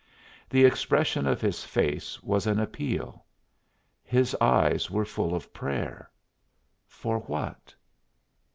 The expression of his face was an appeal; his eyes were full of prayer. For what?